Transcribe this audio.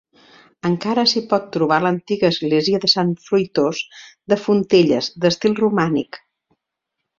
Encara s'hi pot trobar l'antiga església de Sant Fruitós de Fontelles d'estil romànic.